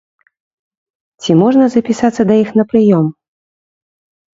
Ці можна запісацца да іх на прыём?